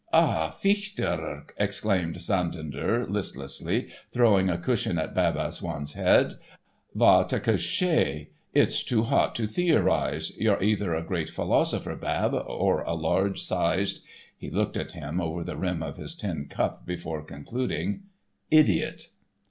"Ah h, fichtre!" exclaimed Santander, listlessly, throwing a cushion at Bab Azzoun's head; "va te coucher. It's too hot to theorise; you're either a great philosopher, Bab, or a large sized"—he looked at him over the rim of his tin cup before concluding—"idiot."